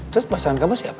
terus pasangan kamu siapa